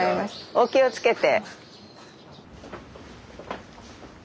お気をつけて。